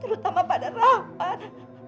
terutama pada rahman